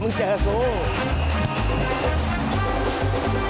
หรือใครกำลังร้อนเงิน